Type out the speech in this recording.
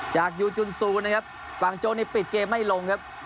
ยูจุนซูนะครับกวางโจ้นี่ปิดเกมไม่ลงครับ